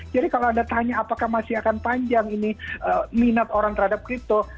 kalau anda tanya apakah masih akan panjang ini minat orang terhadap crypto